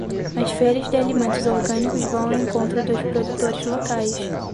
As feiras de alimentos orgânicos vão ao encontro dos produtores locais